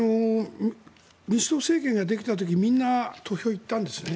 民主党政権ができた時みんな、投票に行ったんですね。